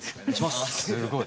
すごい。